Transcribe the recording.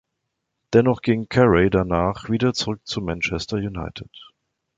Dennoch ging Carey danach wieder zurück zu Manchester United.